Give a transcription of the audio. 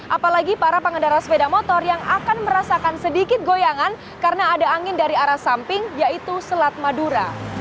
apalagi para pengendara sepeda motor yang akan merasakan sedikit goyangan karena ada angin dari arah samping yaitu selat madura